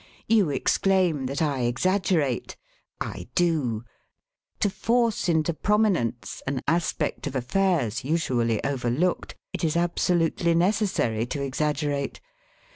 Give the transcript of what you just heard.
You exclaim that I exaggerate. I do. To force into prominence an aspect of affairs usually overlooked, it is absolutely necessary to exaggerate.